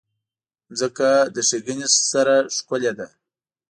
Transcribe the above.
مځکه له ښېګڼې سره ښکلې ده.